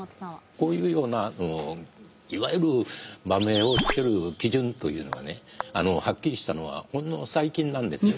こういうようないわゆる馬名を付ける基準というのはねはっきりしたのはほんの最近なんですよね。